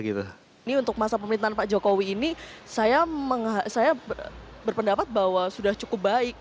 ini untuk masa pemerintahan pak jokowi ini saya berpendapat bahwa sudah cukup baik